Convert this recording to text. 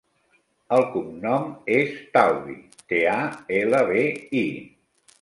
El cognom és Talbi: te, a, ela, be, i.